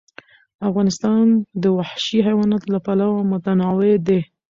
افغانستان د وحشي حیواناتو له پلوه متنوع دی.